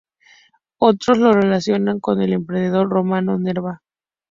Otros lo relacionan con el emperador romano Nerva.